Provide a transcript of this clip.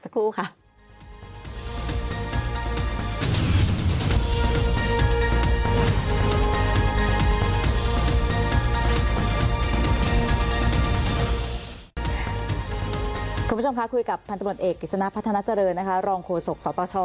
คุณผู้ชมคะคุยกับพันตรวจเอกฤษณะพัฒนาเจริญนะคะรองโฆษกสตช